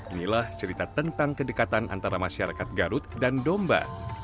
inilah cerita tentang kedekatan antara masyarakat garut dan domba